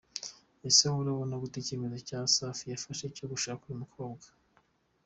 Ese wowe urabona gute icyemezo cya Safi yafashe cyo gushaka uyu mukobwa?.